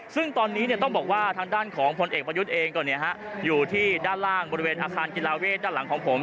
ซึ่งตอนนี้ต้องบอกว่าทางด้านของพลเอกประยุทธ์เองก็อยู่ที่ด้านล่างบริเวณอาคารกีฬาเวทด้านหลังของผม